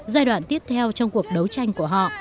giai đoạn tiếp theo trong cuộc đấu tranh của họ